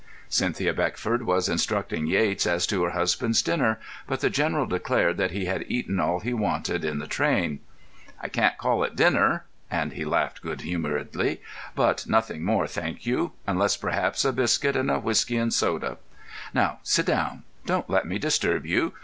Cynthia Beckford was instructing Yates as to her husband's dinner, but the General declared that he had eaten all he wanted in the train. "I can't call it dinner," and he laughed good humouredly. "But nothing more, thank you—unless perhaps a biscuit and a whisky and soda. Now, sit ye down. Don't let me disturb you.